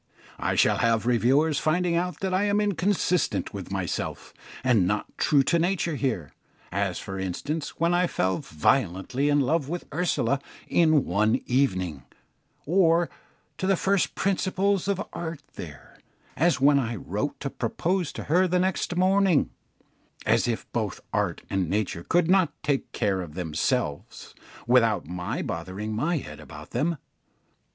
I shall have reviewers finding out that I am inconsistent with myself, and not true to nature here as, for instance, when I fell violently in love with Ursula in one evening; or to the first principles of art there as when I wrote to propose to her next morning: as if both art and nature could not take care of themselves without my bothering my head about them.